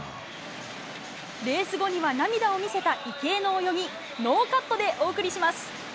レース後には涙を見せた池江の泳ぎノーカットでお送りします。